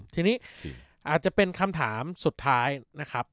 ทีนี้อาจจะเป็นคำถามสุดท้ายนะครับ